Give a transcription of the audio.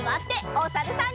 おさるさん。